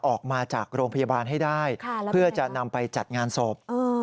ออกมาจากโรงพยาบาลให้ได้เพื่อจะนำไปจัดงานศพ